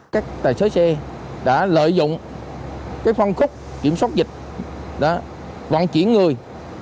các tài xế xe đã lợi dụng phân khúc kiểm soát dịch vận chuyển người